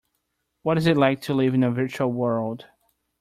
What's it like to live in a virtual world?